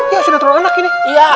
iya sudah turun anak ini